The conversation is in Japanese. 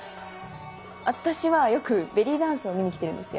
私はよくベリーダンスを見に来てるんですよ。